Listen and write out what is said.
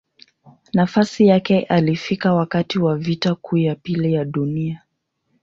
Nafasi yake alifika wakati wa Vita Kuu ya Pili ya Dunia.